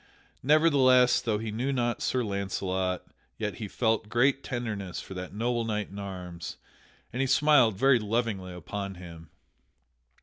Nevertheless, though he knew not Sir Launcelot, yet he felt great tenderness for that noble knight in arms, and he smiled very lovingly upon him.